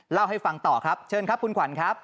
เล่าให้ฟังต่อครับเชิญครับคุณขวัญครับ